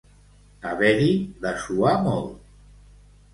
Haver-hi de suar molt.